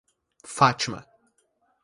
Fátima